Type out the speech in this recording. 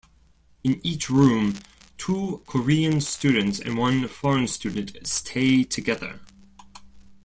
In each room, two Korean students and one foreign student stay together.